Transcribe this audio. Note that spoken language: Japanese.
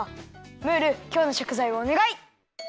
ムールきょうのしょくざいをおねがい。